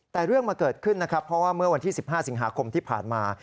แต่เรื่องมาเกิดขึ้นนะครับเพราะว่าเมื่อวันที่๑๕สิงหาคมที่ผ่านมา